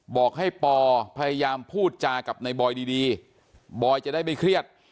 บอกให้ปอพยายามพูดจากับในบอยดีบอยจะได้ไม่เครียด